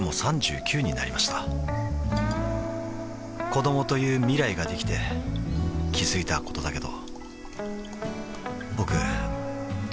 子どもという未来ができて気づいたことだけど